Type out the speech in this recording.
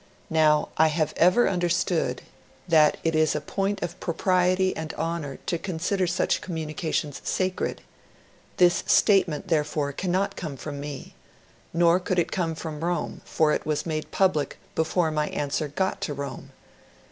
Now I have ever understood that it is a point of propriety and honour to consider such communications sacred. This statement, therefore, cannot come from me. Nor could it come from Rome, for it was made public before my answer got to Rome.